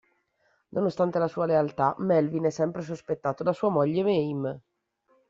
Nonostante la sua lealtà, Melvin è sempre sospettato da sua moglie Mame.